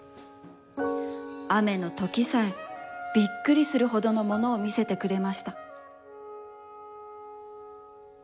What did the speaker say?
雨のときさえ、びっくりするほどのものをみせてくれました。